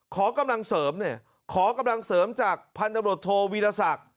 ขอกำลังเสริมเนี่ยขอกำลังเสริมจากพันธบรวจโทวีรศักดิ์